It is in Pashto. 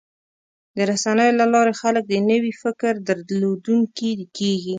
د رسنیو له لارې خلک د نوي فکر درلودونکي کېږي.